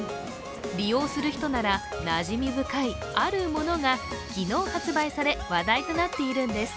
利用する人ならなじみ深いあるものが昨日発売され話題となっているんです。